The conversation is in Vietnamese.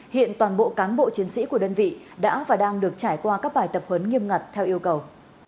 hiện toàn bộ cán bộ chiến sĩ của đơn vị đã và đang được trải qua các bài tập hấn nghiêm ngặt theo yêu cầu